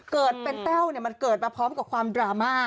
เกิดเป็นแต้วมันเกิดมาพร้อมกับความดราม่า